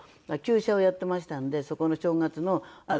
厩舎をやっていましたのでそこの正月の。